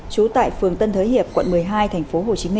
trú tại phường tân thới hiệp quận một mươi hai tp hcm